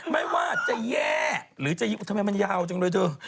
ไม่ว่าจะแย่หรือจะยิ้มทำไมมันยาวจังด้วยเถอะ